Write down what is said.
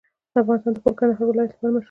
افغانستان د خپل کندهار ولایت لپاره مشهور دی.